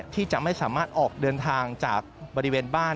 ที่จะไม่สามารถออกเดินทางจากบริเวณบ้าน